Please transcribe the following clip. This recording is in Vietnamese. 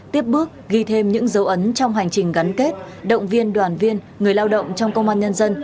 tiếp bước ghi thêm những dấu ấn trong hành trình gắn kết động viên đoàn viên người lao động trong công an nhân dân